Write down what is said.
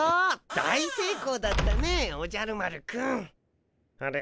大せいこうだったねおじゃる丸くん。あれ？